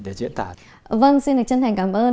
để diễn tả vâng xin được chân thành cảm ơn